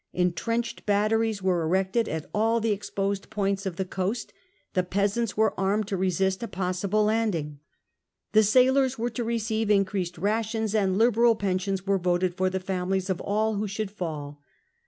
Entrenched batteries were erected at all the exposed points of the coast ; the peasants were armed to resist a possible landing. The sailors were to receive increased rations, and liberal pensions were voted for the families of all who should fall.